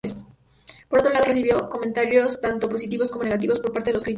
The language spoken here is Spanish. Por otro lado, recibió comentarios tanto positivos como negativos por parte de los críticos.